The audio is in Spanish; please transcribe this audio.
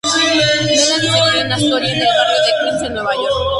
Melanie se crió en Astoria, en el barrio de Queens en Nueva York.